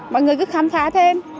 mọi người cứ khám phá thêm